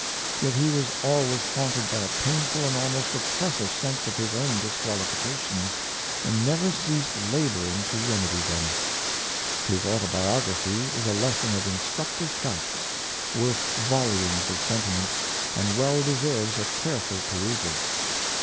Yet he was always haunted by a painful and almost oppressive sense of his own disqualifications, and never ceased laboring to rem edy them. His autobiography is a lesson of instructive facts, worth volumes of sentiment, and well deserves a careful perusal.